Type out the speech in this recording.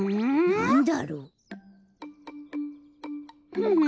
なんだろう？